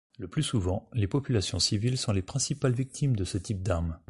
Le plus souvent, les populations civiles sont les principales victimes de ce type d'armes.